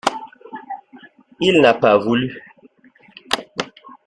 Il n'a pas voulu.